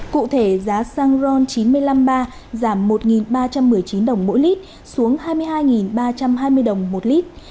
cụ thể giá xăng ron chín trăm năm mươi ba giảm một ba trăm một mươi chín đồng mỗi lít xuống hai mươi hai ba trăm hai mươi đồng một lít